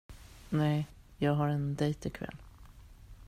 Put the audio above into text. Nej, jag har en dejt ikväll.